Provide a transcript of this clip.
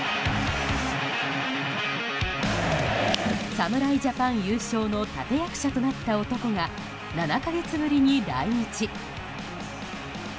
侍ジャパン優勝の立役者となった男が７か月ぶりに来日。